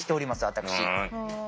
私。